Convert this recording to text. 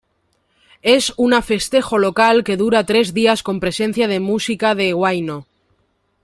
Es una festejo local que dura tres días con presencia de músicas de huayno.